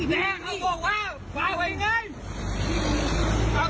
เออประกันอย่างหนึ่ง